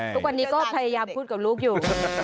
ทุกวันนี้ก็พยายามพูดกับลูกอยู่